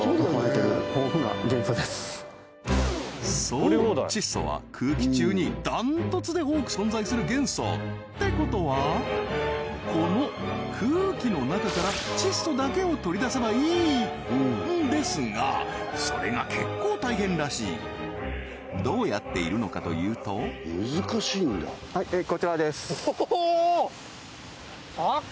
そう窒素は空気中に断トツで多く存在する元素ってことはこの空気の中から窒素だけを取り出せばいいんですがそれが結構大変らしいどうやっているのかというとおお高っ！